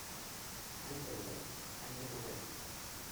Any de bolets, any de pobrets.